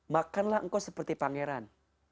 makanlah engkau seperti pangeran